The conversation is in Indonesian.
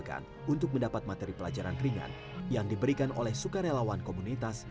ada dua jalan untuk mendapat materi pelajaran ringan yang diberikan oleh sukarelawan komunitas